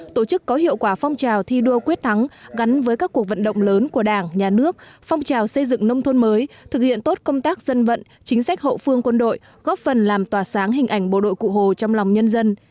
tổ chức có hiệu quả phong trào thi đua quyết thắng gắn với các cuộc vận động lớn của đảng nhà nước phong trào xây dựng nông thôn mới thực hiện tốt công tác dân vận chính sách hậu phương quân đội góp phần làm tỏa sáng hình ảnh bộ đội cụ hồ trong lòng nhân dân